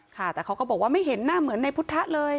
ค่ะแต่เขาก็บอกว่าไม่เห็นหน้าเหมือนในพุทธะเลย